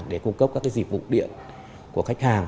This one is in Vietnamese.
để cung cấp các dịch vụ điện của khách hàng